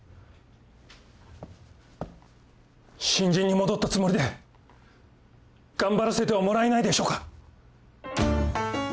新人に戻ったつもりで頑張らせてはもらえないでしょうか。